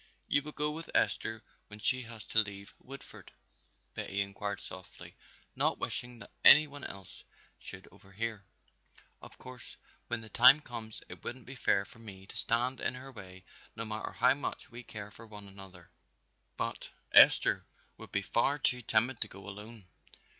"You will go with Esther when she has to leave Woodford?" Betty inquired softly, not wishing that any one else should overhear. "Of course when the time comes it wouldn't be fair for me to stand in her way no matter how much we care for one another, but Esther would be far too timid to go alone."